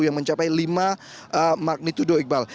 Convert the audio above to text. yang mencapai lima magnitudo iqbal